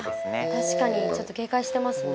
確かにちょっと警戒してますね。